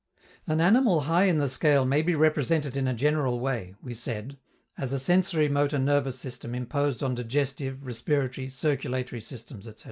An animal high in the scale may be represented in a general way, we said, as a sensori motor nervous system imposed on digestive, respiratory, circulatory systems, etc.